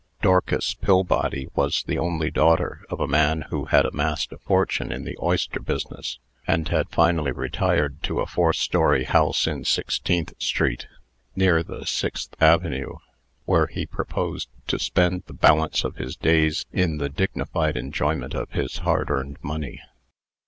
Dorcas Pillbody was the only daughter of a man who had amassed a fortune in the oyster business, and had finally retired to a four story house in Sixteenth street, near the Sixth Avenue, where he purposed to spend the balance of his days in the dignified enjoyment of his hard earned money.